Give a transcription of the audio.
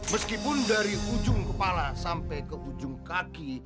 meskipun dari ujung kepala sampai ke ujung kaki